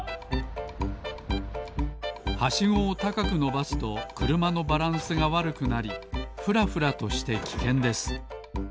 はしごをたかくのばすとくるまのバランスがわるくなりふらふらとしてきけんです。